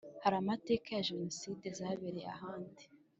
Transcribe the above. hari amateka ya Jenoside zabereye ahandi